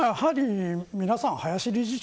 皆さん、林理事長